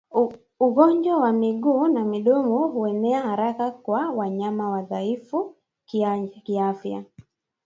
Ugonjwa wa miguu na midomo huenea haraka kwa wanyama wadhaifu kiafya